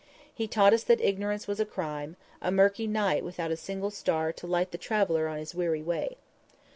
He taught us that ignorance was a crime, a murky night without a single star to light the traveler on his weary way.